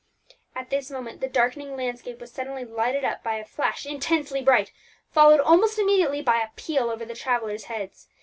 At this moment the darkening landscape was suddenly lighted up by a flash intensely bright, followed almost immediately by a peal over the travellers' heads.